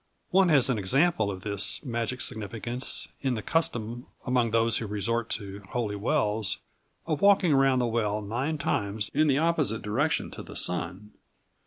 One has an example of this magic significance in the custom, among those who resort to holy wells, of walking round the well nine times in the opposite direction to the sun.